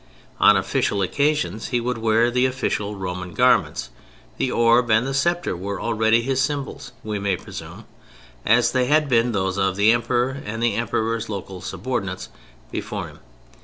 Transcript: On official occasions he would wear the official Roman garments: the orb and the sceptre were already his symbols (we may presume) as they had been those of the Emperor and the Emperor's local subordinates before him.